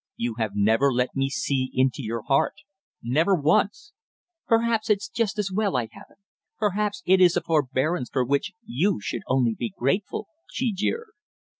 "You have never let me see into your heart, never once!" "Perhaps it's just as well I haven't; perhaps it is a forbearance for which you should be only grateful," she jeered.